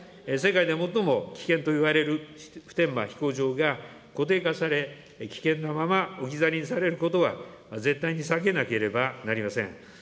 世界で最も危険といわれる普天間飛行場が固定化され、危険なまま置き去りにされることは絶対に避けなければなりません。